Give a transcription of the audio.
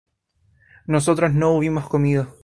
nosotros no hubimos comido